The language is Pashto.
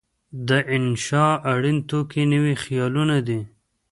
د انشأ اړین توکي نوي خیالونه دي.